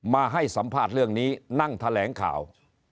มาให้สัมภาษณ์เรื่องนี้นั่งแถลงข่าว